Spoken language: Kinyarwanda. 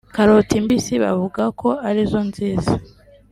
Karoti mbisi bavuga ko ari zo nziza